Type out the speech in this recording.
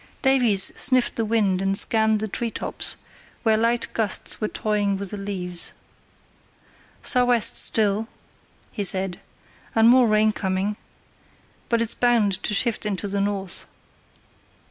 Davies sniffed the wind and scanned the tree tops, where light gusts were toying with the leaves. "Sou' west still," he said, "and more rain coming. But it's bound to shift into the north."